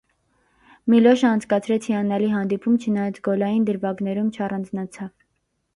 Միլոշը անցկացրեց հիանալի հանդիպում, չնայած գոլային դրվագներում չառանձնացավ։